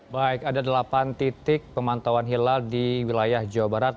baik ada delapan titik pemantauan hilal di wilayah jawa barat